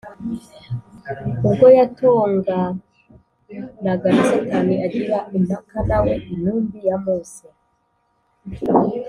ubwo yatonganaga na satani agira impaka na we intumbi ya mose